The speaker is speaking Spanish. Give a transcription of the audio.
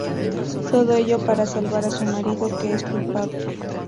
Todo ello para salvar a su marido, que es culpable.